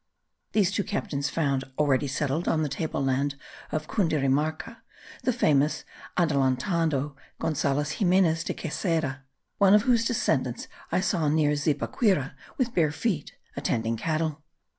These two captains found, already settled on the table land of Cundirumarca, the famous Adelantado Gonzalo Ximenez de Queseda, one of whose descendants I saw near Zipaquira, with bare feet, attending cattle.